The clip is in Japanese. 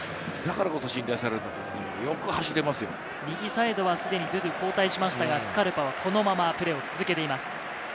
右サイドはすでにドゥドゥ交代しましたが、スカルパはこのままプレーを続けています。